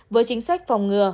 với chính sách phòng ngừa